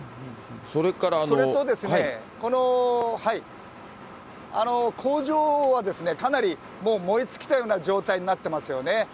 それと、この工場はかなり燃え尽きたような状態になってますよね。